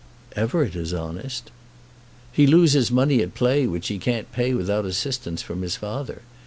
"Everett is honest." "He loses money at play which he can't pay without assistance from his father.